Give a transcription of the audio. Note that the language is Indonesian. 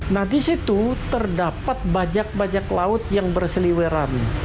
nah di situ terdapat bajak bajak laut yang berseliweran